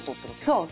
そう。